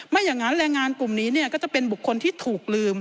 ไม่อย่างนั้นแรงงานกลุ่มนี้ก็จะเป็นบุคคลที่ถูกลืม